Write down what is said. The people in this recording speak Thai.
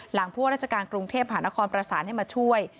หลังพวกราชการกรุงเทพฯมหานครประสานให้มาช่วย